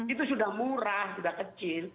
itu sudah murah sudah kecil